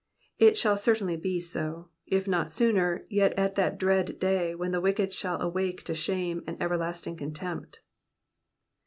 It •hall certainly be so ; if not sooner, yet at that dread day when the wicked shall awake to shame and everlasting contempt.